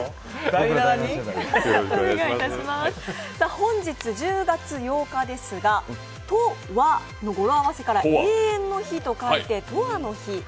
本日１０月８日ですが、と・わの語呂合わせから永遠の日と描いて「永遠の日」